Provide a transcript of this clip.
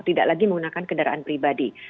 tidak lagi menggunakan kendaraan pribadi